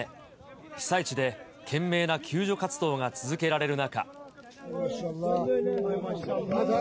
被災地で懸命な救助活動が続けられる中。